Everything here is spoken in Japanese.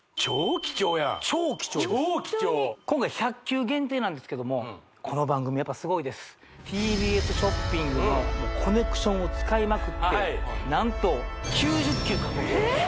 超貴重です超貴重今回１００球限定なんですけどもこの番組やっぱすごいですＴＢＳショッピングのコネクションを使いまくってなんと９０球確保してます